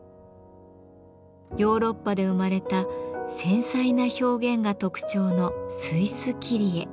ヨーロッパで生まれた繊細な表現が特徴のスイス切り絵。